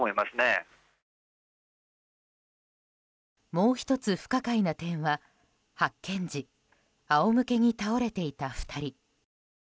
もう１つ不可解な点は、発見時仰向けに倒れていた２人。